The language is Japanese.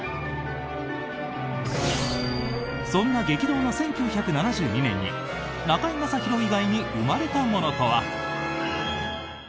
そんな激動の１９７２年に中居正広以外に生まれたものとは？